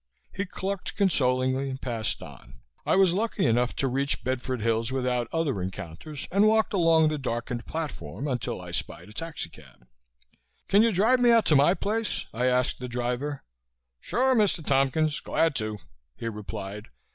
He clucked consolingly and passed on. I was lucky enough to reach Bedford Hills without other encounters and walked along the darkened platform until I spied a taxicab. "Can you drive me out to my place?" I asked the driver. "Sure, Mr. Tompkins. Glad to," he replied.